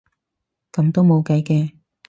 噉都冇計嘅